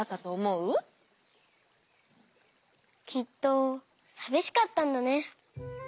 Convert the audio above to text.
きっとさびしかったんだね。